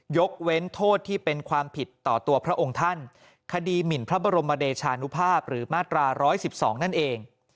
ยกเว้นโทษที่เป็นความผิดต่อตัวพระองค์ท่านคดีหมินพระบรมเดชานุภาพหรือมาตรา๑๑๒นั่นเอง